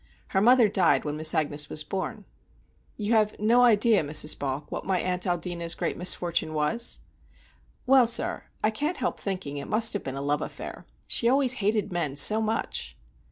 Her mother died when Miss Agnes was born." "You have no idea, Mrs. Balk, what my aunt Aldina's great misfortune was?" "Well, sir, I can't help thinking it must have been a love affair. She always hated men so much."